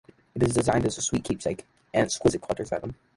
It is designed as a sweet keepsake, an exquisite collector's item.